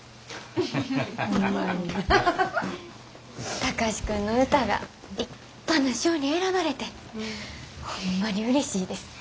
貴司君の歌が立派な賞に選ばれてホンマにうれしいです。